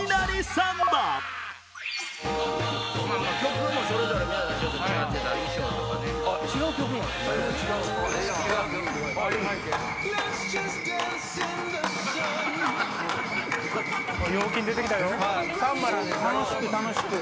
サンバなので楽しく。